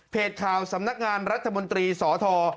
ข่าวสำนักงานรัฐมนตรีสธ